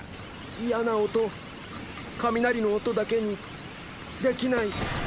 嫌な音雷の音だけにできない。